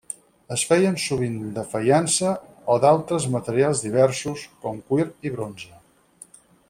Es feien sovint de faiança, o d'altres materials diversos, com cuir i bronze.